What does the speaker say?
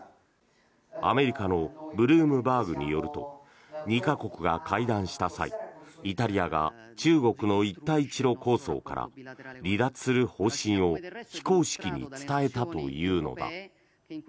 アメリカのブルームバーグによると２か国が会談した際イタリアが中国の一帯一路構想から離脱する方針を非公式に伝えたというのだ。